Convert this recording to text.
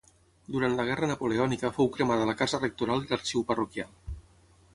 Durant la guerra napoleònica fou cremada la casa rectoral i l'arxiu parroquial.